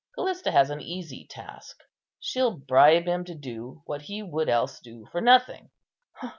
Callista has an easy task; she'll bribe him to do what he would else do for nothing."